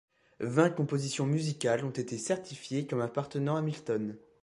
Vingt compositions musicales ont été certifiées comme appartenant à Milton.